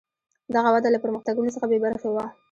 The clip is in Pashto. دغه وده له پرمختګونو څخه بې برخې وه.